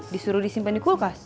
disuruh disimpen di kulkas